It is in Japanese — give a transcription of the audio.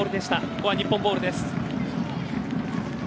ここは日本ボールです。